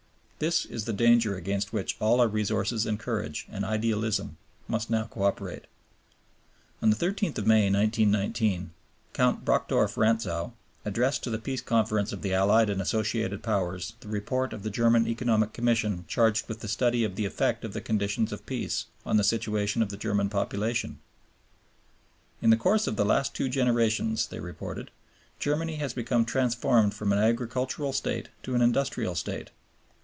This is the danger against which all our resources and courage and idealism must now co operate. On the 13th May, 1919, Count Brockdorff Rantzau addressed to the Peace Conference of the Allied and Associated Powers the Report of the German Economic Commission charged with the study of the effect of the conditions of Peace on the situation of the German population. "In the course of the last two generations," they reported, "Germany has become transformed from an agricultural State to an industrial State.